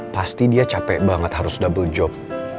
pasti dia capek banget harus double job